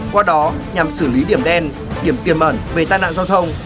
qua đó nhằm xử lý điểm đen điểm tiềm ẩn về tai nạn giao thông